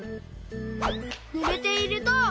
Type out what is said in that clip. ぬれていると。